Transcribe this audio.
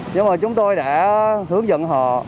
nhưng mà chúng tôi đã hướng dẫn họ